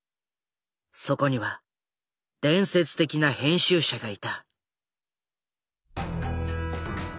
そこには伝説的な編集者がいた。